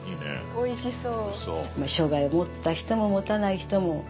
おいしそう。